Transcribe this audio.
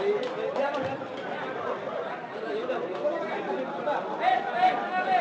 buka topi dulu buka topi dulu